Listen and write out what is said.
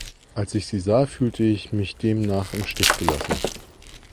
Als ich Sie sah, fühlte ich mich demnach im Stich gelassen.